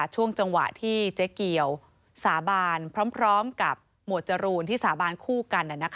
ช่วงจังหวะที่เจ๊เกียวสาบานพร้อมกับหมวดจรูนที่สาบานคู่กัน